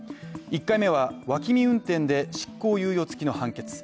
１回目はわき見運転で、執行猶予付きの判決。